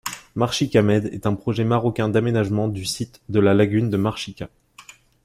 Marchica Med est un projet marocain d'aménagement du site de la lagune de Marchica.